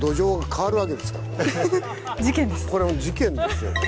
これ事件ですよ。